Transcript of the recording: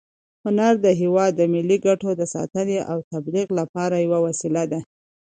هنر د هېواد د ملي ګټو د ساتنې او تبلیغ لپاره یوه وسیله ده.